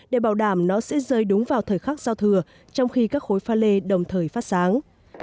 để bảo đảm nó sẽ rơi đúng vào thời khắc giao thừa trong khi các khối pha lê đồng thời phát sáng